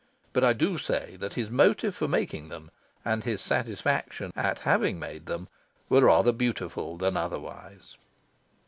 But I do say that his motive for making them, and his satisfaction at having made them, were rather beautiful than otherwise.